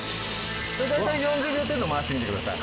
大体４０秒程度回してみてください。